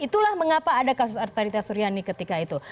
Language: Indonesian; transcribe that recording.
itulah mengapa ada kasus artarita suryani ketika itu